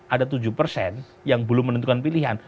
ada tujuh persen yang belum menentukan pilihan